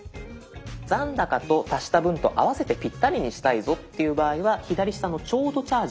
残高と足した分と合わせてぴったりにしたいぞっていう場合は左下の「ちょうどチャージ」。